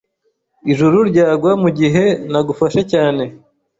Ijuru ryagwa mugihe nagufashe cyane